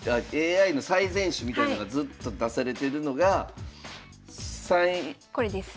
あＡＩの最善手みたいなのがずっと出されてるのが３これです。